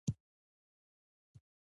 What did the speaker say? که خدای کول زه د څلورنیځې په ورځ درسم.